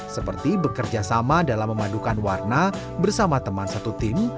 seperti bekerja sama dalam memadukan warna bersama teman satu tim